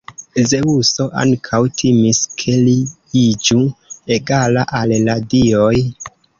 Zeŭso ankaŭ timis, ke li iĝu egala al la dioj.